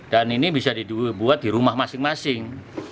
dan ini bisa dibuat di rumah masing masing